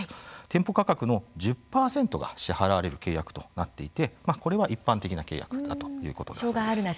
店舗価格の１０％が支払われる契約となっていてこれは一般的な契約だということでした。